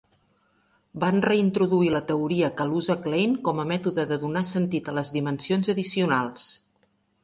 Van reintroduir la teoria Kaluza-Klein com a mètode de donar sentit a les dimensions addicionals.